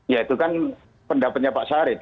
ya itu kan pendapatnya pak syarif